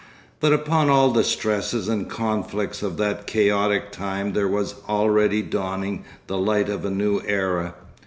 But upon all the stresses and conflicts of that chaotic time there was already dawning the light of a new era.